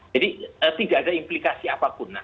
jadi tidak ada implikasi apapun